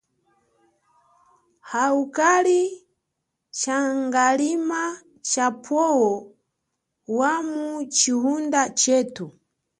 Awu kali changalima cha phowo wamu chihunda chethu.